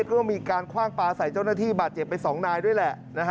ก็มีการคว่างปลาใส่เจ้าหน้าที่บาดเจ็บไป๒นายด้วยแหละ